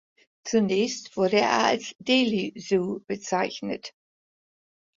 Zunächst wurde er als Delhi Zoo bezeichnet.